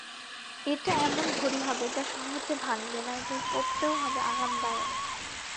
এটা এমন ঘড়ি হবে যা সহজে ভাঙবে না এবং পরতেও হবে আরামদায়ক।